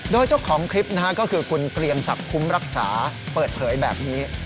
โดยเจ้าของคลิปนะฮะก็คือคุณเกรียงศักดิ์คุ้มรักษาเปิดเผยแบบนี้